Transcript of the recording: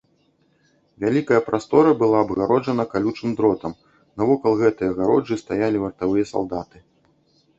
Вялікая прастора была абгароджана калючым дротам, навокал гэтай агароджы стаялі вартавыя салдаты.